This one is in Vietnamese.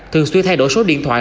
thường xuyên thay đổi số điện thoại